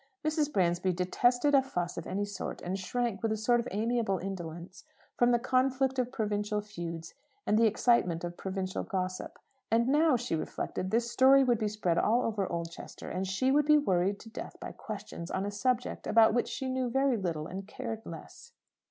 Mrs. Bransby detested a "fuss" of any sort; and shrank, with a sort of amiable indolence, from the conflict of provincial feuds and the excitement of provincial gossip. And now, she reflected, this story would be spread all over Oldchester, and she would be "worried to death" by questions on a subject about which she knew very little, and cared less.